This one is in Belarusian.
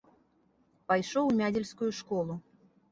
Пайшоў у мядзельскую школу.